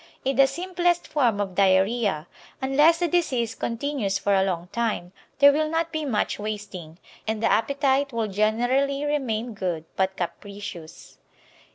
In the simplest form of diarrhoea, unless the disease continues for a long time, there will not be much wasting, and the appetite will generally remain good but capricious.